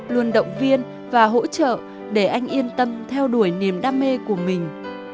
luôn động viên và hỗ trợ để anh yên tâm theo đuổi niềm đam mê của mình